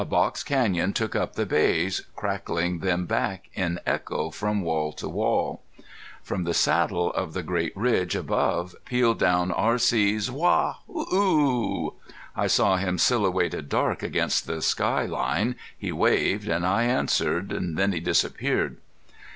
A box canyon took up the bays, cracking them back in echo from wall to wall. From the saddle of the great ridge above pealed down R.C.'s: "Waahoo!" I saw him silhouetted dark against the sky line. He waved and I answered. Then he disappeared.